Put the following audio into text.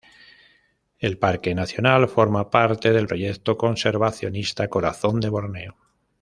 El parque nacional forma parte del proyecto conservacionista Corazón de Borneo.